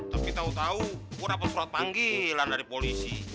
tapi tau tau gue dapet surat panggilan dari polisi